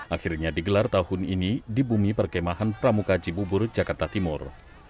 akhirnya digelar tahun ini di bumi perkemahan pramuka cibubur jakarta timur